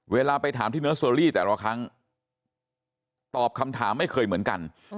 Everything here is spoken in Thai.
เวลาไปถามที่เนอร์เซอรี่แต่ละครั้งตอบคำถามไม่เคยเหมือนกัน